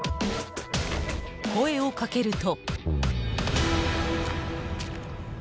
声をかけると。